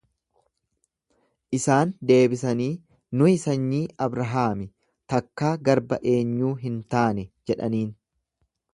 Isaan deebisanii, Nuyi sanyii Abrahaami, takkaa garba eenyuu hin taane jedhaniin.